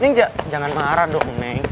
neng jangan marah dong neng